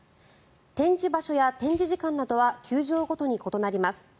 展示場所や展示時間などは球場ごとに異なります。